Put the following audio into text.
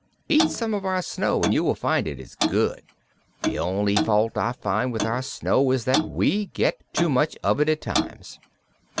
Eat some of our snow, and you will find it is good. The only fault I find with our snow is that we get too much of it at times."